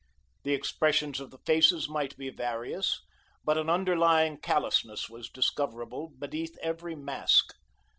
The expressions of the faces might be various, but an underlying callousness was discoverable beneath every mask.